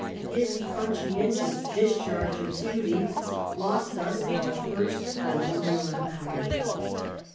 His conscientious discharge of duty lost us our first colonial empire.